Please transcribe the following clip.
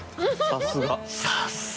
さすが！